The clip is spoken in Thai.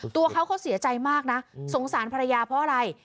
ตัวเขาเขาเสียใจมากนะสงสารภรรยาเพราะอะไร